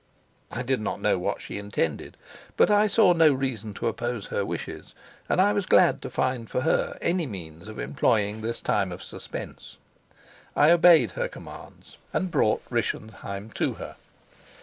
I did not know what she intended, but I saw no reason to oppose her wishes, and I was glad to find for her any means of employing this time of suspense. I obeyed her commands and brought Rischenheim to her.